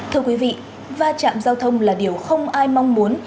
thưa quý vị va chạm giao thông là điều không ai mong muốn